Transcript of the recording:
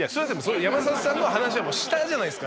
山里さんの話はもうしたじゃないですか。